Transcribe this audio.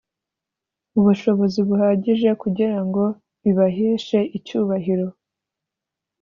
ubushobozi buhagije kugira ngo bibaheshe icyubahiro